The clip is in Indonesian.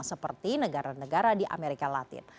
seperti negara negara di amerika latin